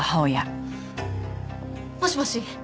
もしもし？